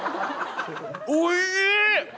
おいしい！